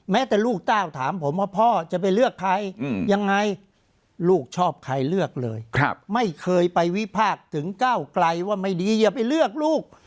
แต่ลูกเต้าถามผมว่าพ่อจะไปเลือกใครยังไงลูกชอบใครเลือกเลยไม่เคยไปวิพากษ์ถึงก้าวไกลว่าไม่ดีอย่าไปเลือกลูก